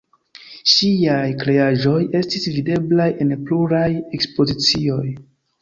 Ŝiaj kreaĵoj estis videblaj en pluraj ekspozicioj.